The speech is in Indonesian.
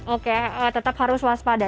oke tetap harus waspada